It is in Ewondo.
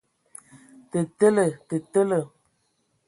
Tə tele! Te tele.